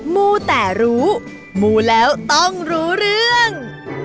มูแต่รู้มูแล้วต้องรู้เรื่อง